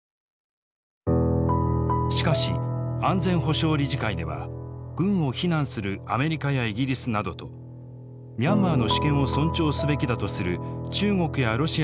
しかし安全保障理事会では軍を非難するアメリカやイギリスなどとミャンマーの主権を尊重すべきだとする中国やロシアなどとの対立が表面化。